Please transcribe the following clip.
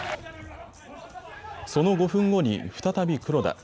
その５分後に再び黒田。